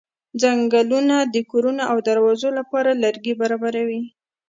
څنګلونه د کورونو او دروازو لپاره لرګي برابروي.